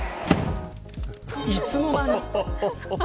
いつの間に。